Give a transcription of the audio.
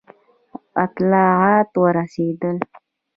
اطلاعات ورسېدل.